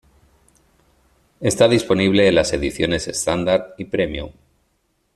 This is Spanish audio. Está disponible en las ediciones Standard y Premium.